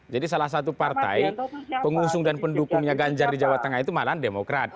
jadi salah satu partai pengusung dan pendukungnya ganjar di jawa tengah itu malahan demokrat